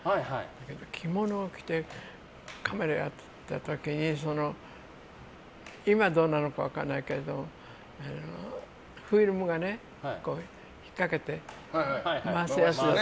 着物を着て、カメラやった時に今、どうなのか分からないけどフィルムをひっかけて回すやつです。